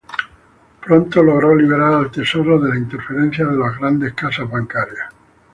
Pronto logró liberar al tesoro de la interferencia de las grandes casas bancarias.